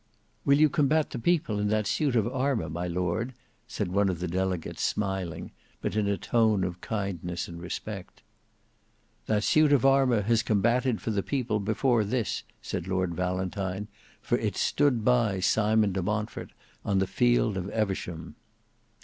"Will you combat the people in that suit of armour, my lord?" said one of the delegates smiling, but in a tone of kindness and respect. "That suit of armour has combated for the people before this," said Lord Valentine, "for it stood by Simon de Montfort on the field of Evesham."